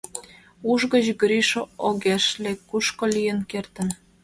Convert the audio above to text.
Уш гыч Гриш огеш лек: «Кушко лийын кертын?»